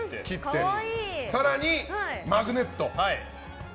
更に、マグネット。